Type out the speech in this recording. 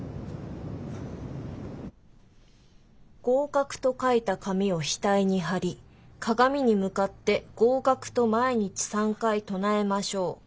「『合格』と書いた紙を額に貼り鏡に向かって『合格』と毎日３回唱えましょう」。